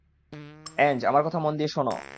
অ্যাঞ্জ, আমার কথা মন দিয়ে শোনো।